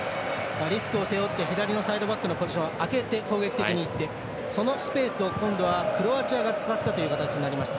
リスクを背負って左のサイドバックのポジションを空けて攻撃的にいって、そのスペースをクロアチアが使ったという形になりました。